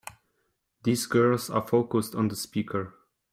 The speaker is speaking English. These girls are focused on the speaker.